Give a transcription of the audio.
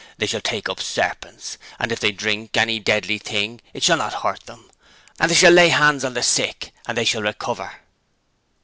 They shall take up serpents; and if they drink any deadly thing it shall not hurt them: they shall lay hands on the sick, and they shall recover.'